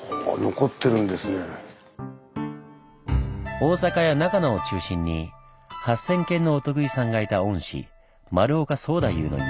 大阪や長野を中心に８０００軒のお得意さんがいた御師丸岡宗大夫の家。